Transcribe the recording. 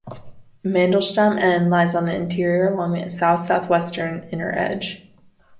Mandel'shtam N lies on the interior along the south-southwestern inner edge.